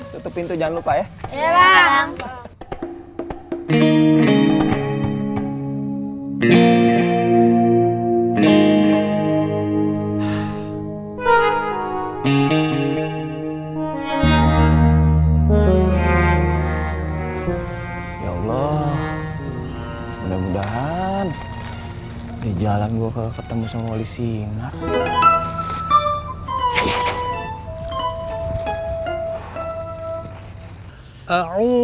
tutup pintu jangan lupa ya